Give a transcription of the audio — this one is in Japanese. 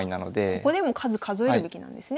ここでも数数えるべきなんですね。